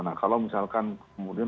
nah kalau misalkan kemudian